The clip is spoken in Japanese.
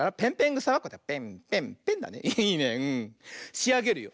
しあげるよ。